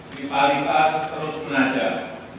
kepalipan terus menajam